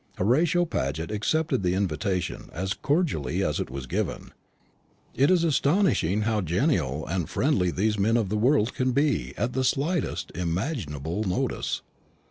Horatio Paget accepted the invitation as cordially as it was given. It is astonishing how genial and friendly these men of the world can be at the slightest imaginable notice.